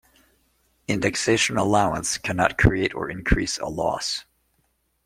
Indexation allowance cannot create or increase a loss.